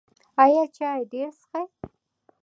ایا چای ډیر څښئ؟